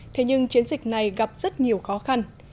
thế nhưng chiến dịch này gặp rất nhiều khó khăn